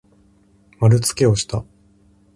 まるつけをした。